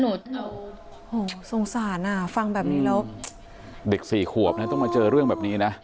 โอ้โหสงสารอ่ะฟังแบบนี้แล้วเด็กสี่ขวบนะต้องมาเจอเรื่องแบบนี้นะ